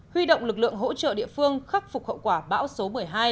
huy động lực lượng hỗ trợ địa phương khắc phục hậu quả bão số một mươi hai